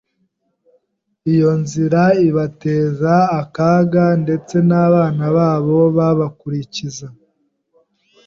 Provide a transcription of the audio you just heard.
iyo nzira ibateza akaga ndetse n’abana babo babakurikiza